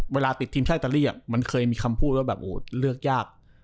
เวลาติดทีมชาวอิตาลีมันเคยมีคำพูดว่าเลือกยาก